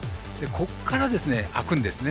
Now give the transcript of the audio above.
ここから空くんですね。